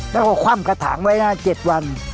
แล้วก็คว่ำกระถางไว้นะ๗วัน